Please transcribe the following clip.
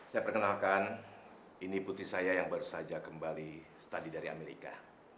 saya perkenalkan ini putih saya yang baru saja kembali study dari amerika